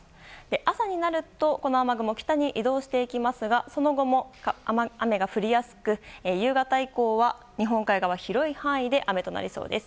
朝になると、この雨雲は北に移動していきますがその後も雨が降りやすく夕方以降は日本海側広い範囲で雨となりそうです。